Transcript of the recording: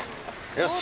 よし。